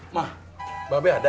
ma mbak be ada